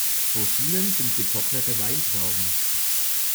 Rosinen sind getrocknete Weintrauben.